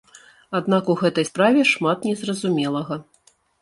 Аднак у гэтай справе шмат незразумелага.